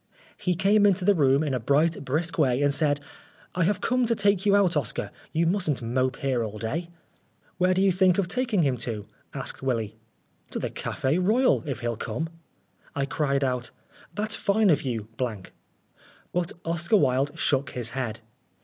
He came into the room in a bright, brisk way and said, " I have come to take you out, Oscar. You mustn't mope here all day." " Where do you think of taking him to ?" asked Willy. " To the Caf6 Royal, if he'll come." I cried out, " That's fine of you, ." But Oscar Wilde shook his head.